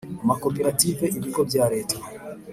amakoperative ibigo bya Leta